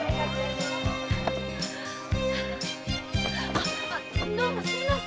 あどうもすみません。